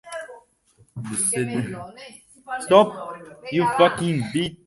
The extended Goldman–Sachs family was Jewish.